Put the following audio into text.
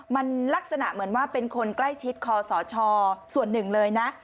มันลักษณะเหมือนว่าเป็นคนใกล้ชิดคอสชส่วนหนึ่งเลยนะ